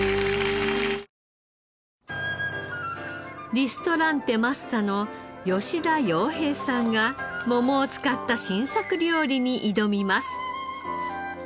リストランテ・マッサの吉田洋平さんが桃を使った新作料理に挑みます。